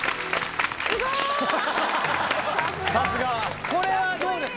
さすがさすがこれはどうです？